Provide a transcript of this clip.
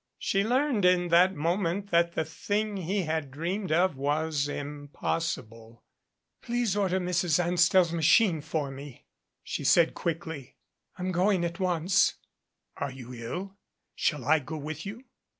She learned in that moment that the thing he had dreamed was impossible. "Please order Mrs. Anstell's machine for me," she said quickly. "I'm going at once." "Are you ill? Shall I go with you?"